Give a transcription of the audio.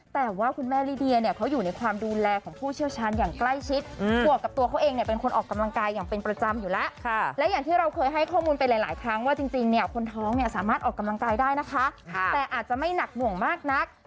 แต่ว่าคุณแม่ลิดียาเนี่ยเขาอยู่ในความดูแลของผู้เชี่ยวชั้นอย่างใกล้ชิด